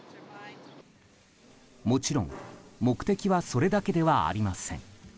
もちろん目的はそれだけではありません。